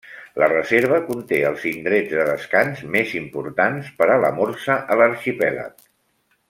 La reserva conté els indrets de descans més importants per a la morsa a l'arxipèlag.